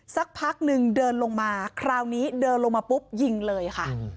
สักพักนึงเดินลงมาคราวนี้เดินลงมาปุ๊บยิงเลยค่ะ